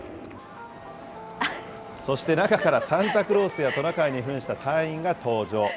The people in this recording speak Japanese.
そして中からサンタクロースやトナカイにふんした隊員が登場。